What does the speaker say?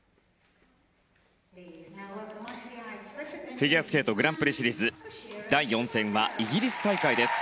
フィギュアスケートグランプリシリーズ第４戦はイギリス大会です。